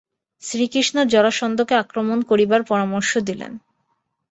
শ্রীকৃষ্ণ জরাসন্ধকে আক্রমণ করিবার পরামর্শ দিলেন।